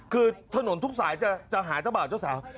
คือถนนทุกสายจะหาแบบด้านเจ้าสาว